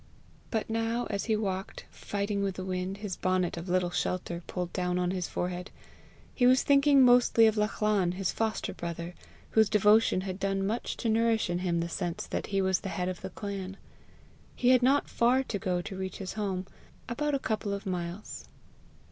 But now, as he walked, fighting with the wind, his bonnet of little shelter pulled down on his forehead, he was thinking mostly of Lachlan his foster brother, whose devotion had done much to nourish in him the sense that he was head of the clan. He had not far to go to reach his home about a couple of miles.